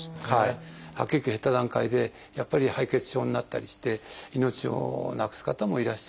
白血球減った段階でやっぱり敗血症になったりして命をなくす方もいらっしゃいますね。